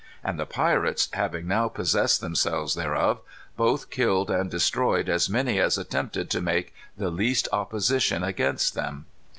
And the pirates, having now possessed themselves thereof, both killed and destroyed as many as attempted to make the least opposition against them.